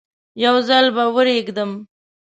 یو ځل به ورېږدم.